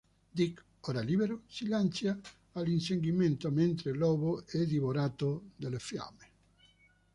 Dick, ora libero, si lancia all’inseguimento mentre Lobo è divorato dalle fiamme.